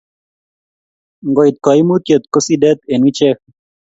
ngo it kaimutiet ko sidet ing' achek